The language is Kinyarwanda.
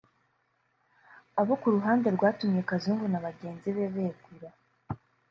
Abo ku ruhande rwatumye Kazungu na bagenzi be begura